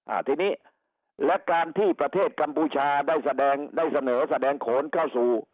อ่าทีนี้และการที่ประเทศกัมพูชาได้แสดงได้เสนอแสดงโขนเข้าสู่